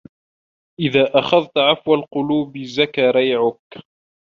إذَا أَخَذْت عَفْوَ الْقُلُوبِ زَكَا رِيعُك